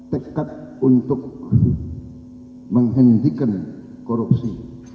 tekad untuk menghentikan korupsi